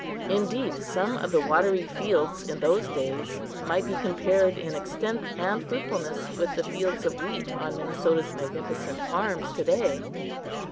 Indeed, some of the watery fields in those days might be compared in extent and fruitfulness with the fields of wheat on Minnesota's magnificent farms to day.